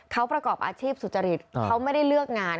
เขาประกอบอาชีพสุจริตเขาไม่ได้เลือกงาน